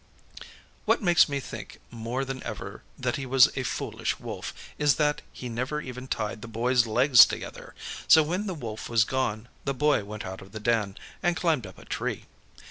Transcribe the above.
What makes me think more than ever that he was a foolish Wolf, is that he never even tied the Boy's legs together. So when the Wolf was gone, the Boy went out of the den, and climbed up a tree.